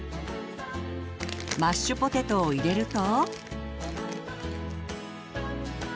マッシュポテトを入れると。